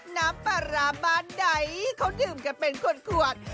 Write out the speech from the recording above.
น้ำปลามาใดเขาดื่มกันเป็นขวด